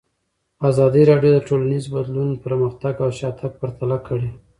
ازادي راډیو د ټولنیز بدلون پرمختګ او شاتګ پرتله کړی.